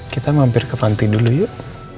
kita mampir ke panti dulu yuk